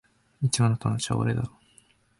一番の友達は俺だろ？